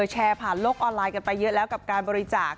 แชร์ผ่านโลกออนไลน์กันไปเยอะแล้วกับการบริจาค